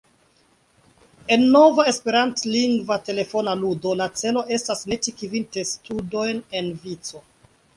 En nova esperantlingva telefona ludo la celo estas meti kvin testudojn en vico.